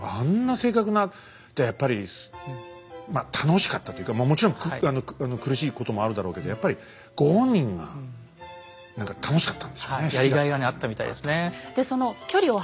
正確なやっぱり楽しかったというかもちろん苦しいこともあるだろうけどやっぱりやりがいがねあったみたいですね。